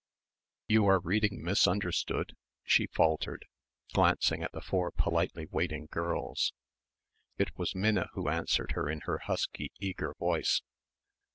... "You are reading 'Misunderstood'?" she faltered, glancing at the four politely waiting girls. It was Minna who answered her in her husky, eager voice.